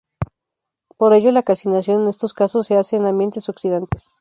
Por ello la calcinación en estos casos se hace en ambientes oxidantes.